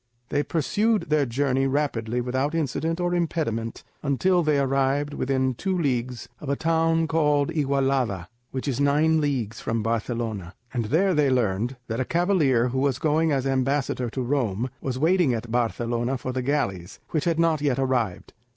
They pursued their journey I rapidly without accident or impediment until they arrived within two leagues of a town called Igualada, which is nine leagues from Barcelona, and there they learned that a cavalier who was going as ambassador to Rome, was waiting at Barcelona for the galleys, which had not yet arrived.